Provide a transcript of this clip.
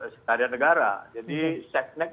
sekalian negara jadi seknek